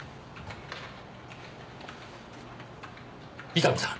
伊丹さん